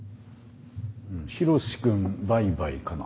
「ヒロシ君バイバイ」かな？